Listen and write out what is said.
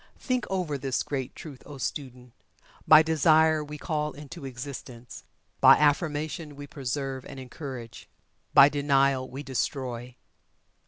Think over this great truth, O student! By Desire we call into existence by affirmation we preserve and encourage by Denial we destroy.